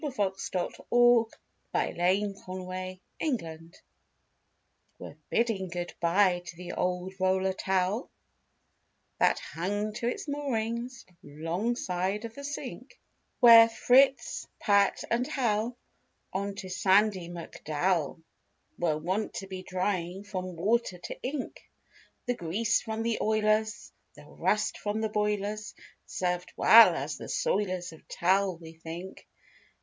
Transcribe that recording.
133 THE OFFICE ROLLER TOWEL We're bidding good bye to the old roller towel, That hung to its moorings 'longside of the sink: Where Fritz, Pat and Hal on to "Sandy" Mc¬ Dowell Were wont to be drying, from water to ink: The grease from the oilers; the rust from the boilers Served well as the soilers of towel—we think.